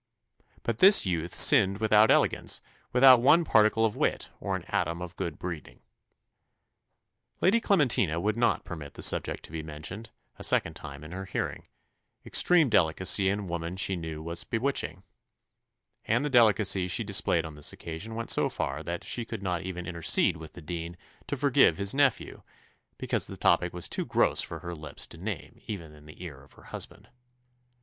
"But this youth sinned without elegance, without one particle of wit, or an atom of good breeding." Lady Clementina would not permit the subject to be mentioned a second time in her hearing extreme delicacy in woman she knew was bewitching; and the delicacy she displayed on this occasion went so far that she "could not even intercede with the dean to forgive his nephew, because the topic was too gross for her lips to name even in the ear of her husband."